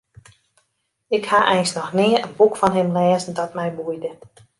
Ik ha eins noch nea in boek fan him lêzen dat my boeide.